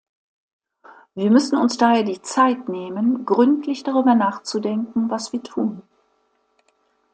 Wir müssen uns daher die Zeit nehmen, gründlich darüber nachzudenken, was wir tun.